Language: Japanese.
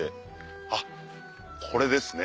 あっこれですね。